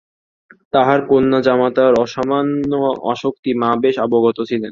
তাঁহার কন্যাজামাতার অসামান্য আসক্তি মা বেশ অবগত ছিলেন।